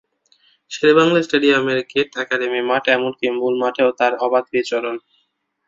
শেরেবাংলা স্টেডিয়ামের gate, academy মাঠ এমনকি মূল মাঠেও তাঁর অবাধ বিচরণ।